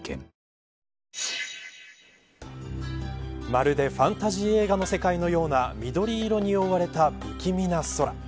まるでファンタジー映画の世界のような緑色に覆われた不気味な空。